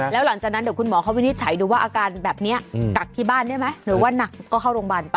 แล้วหลังจากนั้นเดี๋ยวคุณหมอเขาวินิจฉัยดูว่าอาการแบบนี้กักที่บ้านได้ไหมหรือว่านักก็เข้าโรงพยาบาลไป